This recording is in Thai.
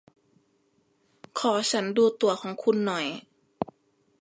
ขอฉันดูตั๋วของคุณหน่อย